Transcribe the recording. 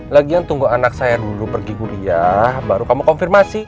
lagian tunggu anak saya dulu pergi kuliah baru kamu konfirmasi